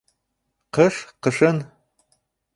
Ҡыш, ҡышын